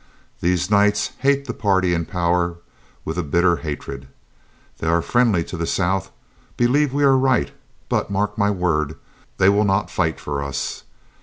These Knights hate the party in power with a bitter hatred. They are friendly to the South, believe we are right; but mark my word, they will not fight for us.